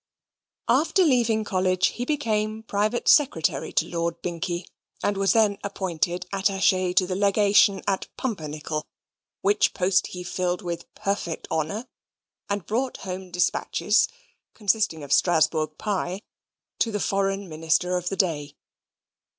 After leaving college he became Private Secretary to Lord Binkie, and was then appointed Attache to the Legation at Pumpernickel, which post he filled with perfect honour, and brought home despatches, consisting of Strasburg pie, to the Foreign Minister of the day.